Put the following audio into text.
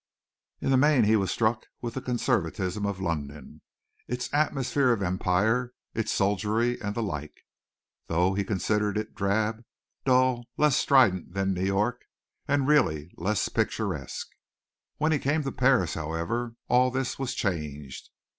In the main he was struck with the conservatism of London, its atmosphere of Empire, its soldiery and the like, though he considered it drab, dull, less strident than New York, and really less picturesque. When he came to Paris, however, all this was changed.